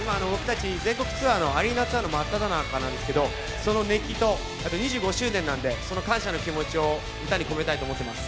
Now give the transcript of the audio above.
全国ツアーのアリーナツアーの真っただ中なんですけどその熱気と、２５周年なんでその感謝の気持ちを歌に込めたいと思っています。